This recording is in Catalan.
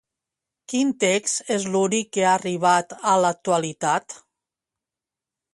Quin text és l'únic que ha arribat a l'actualitat?